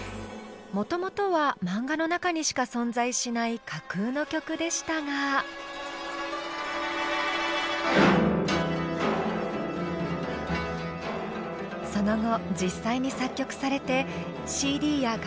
もともとはマンガの中にしか存在しない架空の曲でしたがその後実際に作曲されてＣＤや楽譜も作られました。